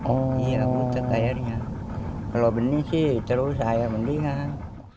oh iya buta airnya kalau benih sih terus air mendingan